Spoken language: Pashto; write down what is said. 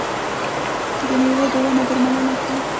د میوو د ونو درملنه کیږي.